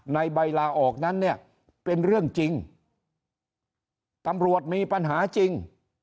ใบลาออกนั้นเนี่ยเป็นเรื่องจริงตำรวจมีปัญหาจริง